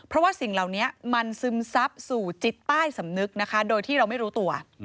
เพราะว่าสิ่งเหล่านี้มันซึมซับสู่จิตใต้สำนึกนะคะโดยที่เราไม่รู้ตัว